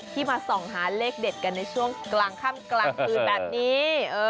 มาส่องหาเลขเด็ดกันในช่วงกลางค่ำกลางคืนแบบนี้